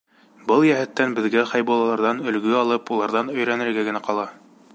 Был йәһәттән беҙгә хәйбуллаларҙан өлгө алып, уларҙан өйрәнергә генә ҡала.